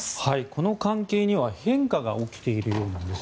この関係には変化が起きているようなんです。